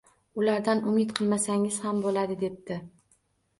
Ulardan umid qilmasangiz ham bo‘ladi, debdi